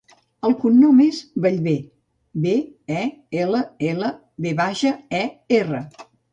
El cognom és Bellver: be, e, ela, ela, ve baixa, e, erra.